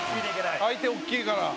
相手、大きいから。